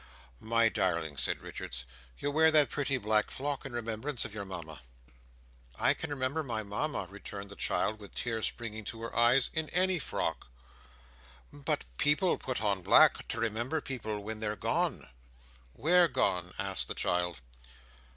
"My darling," said Richards, "you wear that pretty black frock in remembrance of your Mama." "I can remember my Mama," returned the child, with tears springing to her eyes, "in any frock." "But people put on black, to remember people when they're gone." "Where gone?" asked the child.